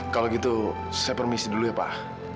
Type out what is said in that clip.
kalau gitu saya permisi dulu ya pak